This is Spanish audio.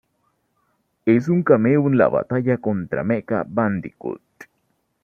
Es un cameo en la batalla contra Mecha-Bandicoot.